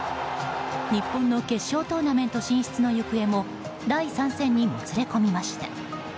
日本の決勝トーナメント進出の行方も第３戦にもつれ込みました。